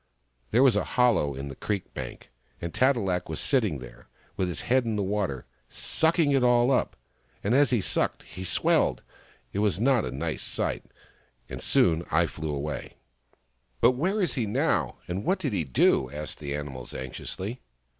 There was a hollow in the creek bank, and Tat e lak was sitting there, with his head in the water, sucking it all up ; and as he sucked, he swelled. It was not a nice sight, and soon I flew away." THE FROG THAT LAUGHED 119 " But where is he now ? And what did he do ?" asked the animals anxiously.